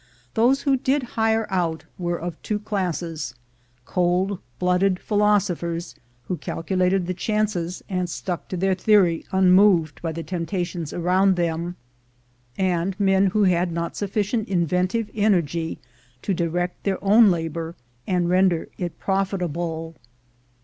Those who did hire out were of two classes — cold blooded philosophers, who calculated the chances, and stuck to their theory unmoved by the temptations around them; and men who had not sufficient inven tive energy to direct their own labor and render it profitable.